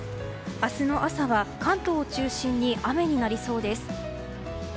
明日の朝は関東中心に雨になりそうです。